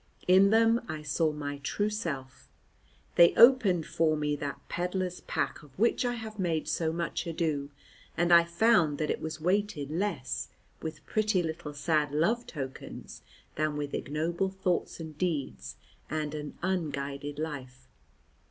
In them I saw my true self. They opened for me that pedler's pack of which I have made so much ado, and I found that it was weighted less with pretty little sad love tokens than with ignoble thoughts and deeds and an unguided life.